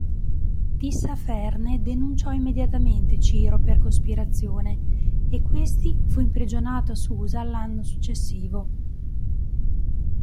Tissaferne denunciò immediatamente Ciro per cospirazione, e questi fu imprigionato a Susa l'anno successivo.